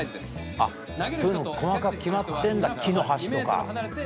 あっそういうのも細かく決まってんだ木の箸とか。